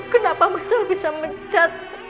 kenapa mas al bisa menjat